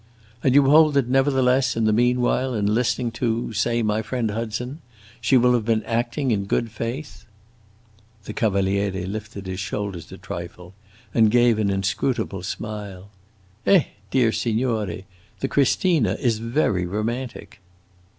"And you hold that nevertheless, in the mean while, in listening to, say, my friend Hudson, she will have been acting in good faith?" The Cavaliere lifted his shoulders a trifle, and gave an inscrutable smile. "Eh, dear signore, the Christina is very romantic!"